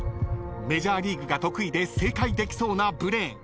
［メジャーリーグが得意で正解できそうなブレーン］